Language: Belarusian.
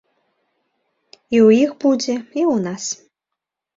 І ў іх будзе, і ў нас.